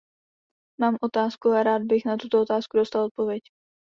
Mám otázku a rád bych na tuto otázku dostal odpověď.